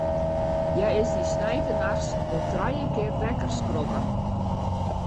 Hja is dy sneintenachts wol trije kear wekker skrokken.